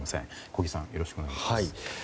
小木さんよろしくお願いします。